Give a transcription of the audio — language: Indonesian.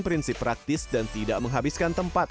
prinsip praktis dan tidak menghabiskan tempat